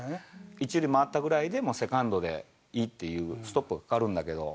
１塁回ったぐらいでセカンドでいいっていう、ストップがかかるんだけど。